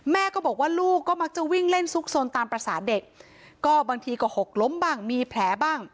แม่ก็บอกว่าลูกก็มักจะวิ่งเล่นซุกซนตามภาษาเด็กก็บางทีก็หกล้มบ้างมีแผลบ้าง